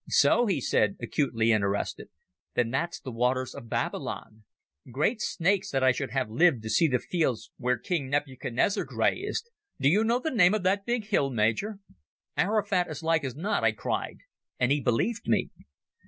"So," he said, acutely interested. "Then that's the waters of Babylon. Great snakes, that I should have lived to see the fields where King Nebuchadnezzar grazed! Do you know the name of that big hill, Major?" "Ararat, as like as not," I cried, and he believed me.